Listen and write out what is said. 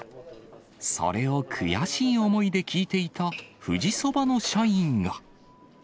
それを悔しい思いで聞いていた富士そばの社員が。